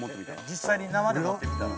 実際に生で持ってみたら？